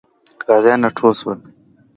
غازیان راټول سول.